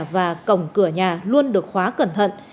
và cổng cửa nhà luôn được khóa cẩn thận